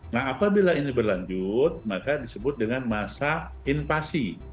nah apabila ini berlanjut maka disebut dengan masa invasi